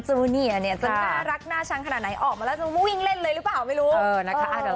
คืออยากจะมีเพื่อน